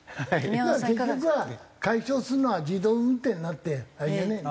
結局は解消するのは自動運転になってあれじゃねえの？